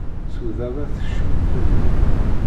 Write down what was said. Sudaba tekcem-itt tugdi.